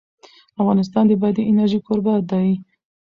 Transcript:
افغانستان د بادي انرژي کوربه دی.